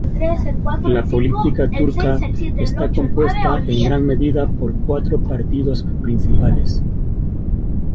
La política turca está compuesta en gran medida por cuatro partidos principales.